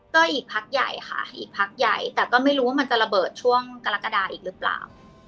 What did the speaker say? ก็อีกพักใหญ่ค่ะอีกพักใหญ่แต่ก็ไม่รู้ว่ามันจะระเบิดช่วงกรกฎาอีกหรือเปล่า